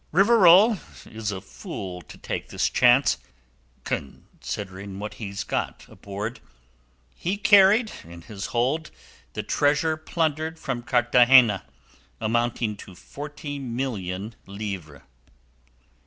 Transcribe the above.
Rivarol is a fool to take this chance, considering what he's got aboard. He carried in his hold the treasure plundered from Cartagena, amounting to forty million livres."